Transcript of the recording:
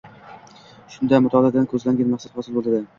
Shunda mutolaadan ko‘zlangan maqsad hosil bo‘ladi.